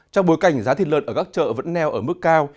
trong bối cảnh giá thịt lợn ở các chợ vẫn neo ở mức cao